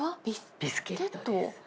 ビスケットです。